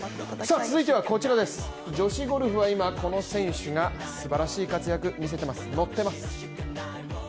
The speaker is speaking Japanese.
続いては、女子ゴルフが今、この選手、すばらしい活躍を見せています、乗ってます。